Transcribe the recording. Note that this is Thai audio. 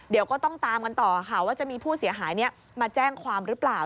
เดี๋ยวก็ต้องตามกันต่อค่ะว่าจะมีผู้เสียหายมาแจ้งความหรือเปล่า